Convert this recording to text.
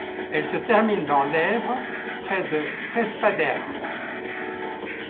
Elle se termine dans l'Èbre près de Trespaderne.